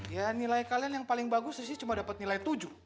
ya nilai kalian yang paling bagus sih cuma dapat nilai tujuh